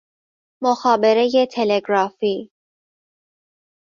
مخابرۀ تلگرافی